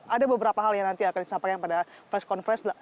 ada beberapa hal yang nanti akan disampaikan pada press conference